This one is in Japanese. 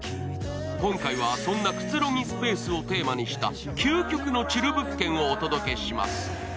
今回はそんなくつろぎスペースをテーマにした究極のチル物件をお届けします。